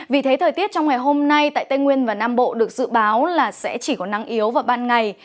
vì thế thời tiết trong ngày hôm nay tại tây nguyên và nam bộ được dự báo là sẽ chỉ có nắng yếu vào ban ngày